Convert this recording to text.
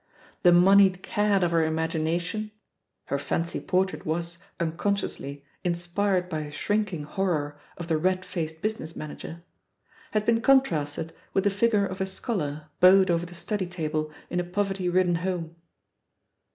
The moneyed cad of her imagination — her fancy por trait was, unconsciously, inspired by a shrinking horror of the red faced business manager — ^had been contrasted with the figure of a scholar bowed over the "study" table in a poverty ridden home.